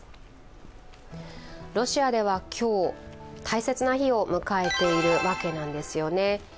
ロシアでは今日、大切な日を迎えているわけなんですよね。